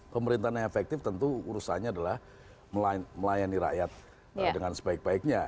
pemerintahan yang efektif tentu urusannya adalah melayani rakyat dengan sebaik baiknya